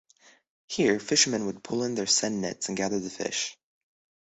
Here, fishermen would pull in their seine nets and gather the fish.